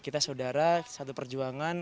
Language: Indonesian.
kita sodara satu perjuangan